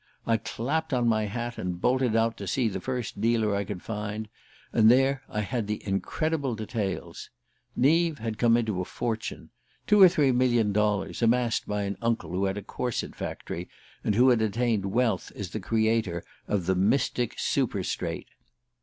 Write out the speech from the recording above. I clapped on my hat and bolted out to see the first dealer I could find; and there I had the incredible details. Neave had come into a fortune two or three million dollars, amassed by an uncle who had a corset factory, and who had attained wealth as the creator of the Mystic Super straight.